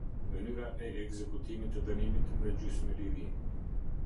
Mënyra e ekzekutimit të dënimit në gjysmëliri.